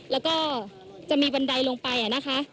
แล้วก็จะมีบันไดลงไปนะคะ